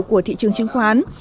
của thị trường chứng khoán